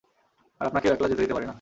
আর আপনাকেও একলা যেতে দিতে পারিনা।